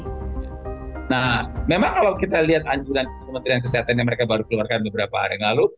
nah memang kalau kita lihat anjuran kementerian kesehatan yang mereka baru keluarkan beberapa hari lalu